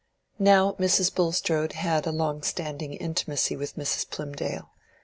Now Mrs. Bulstrode had a long standing intimacy with Mrs. Plymdale.